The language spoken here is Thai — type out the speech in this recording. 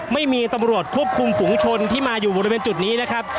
ไม่มีตำรวจควบคุมฝุงชนที่มาอยู่บริเวณจุดนี้นะครับ